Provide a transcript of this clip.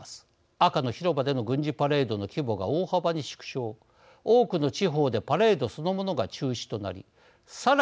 赤の広場での軍事パレードの規模が大幅に縮小多くの地方でパレードそのものが中止となりました。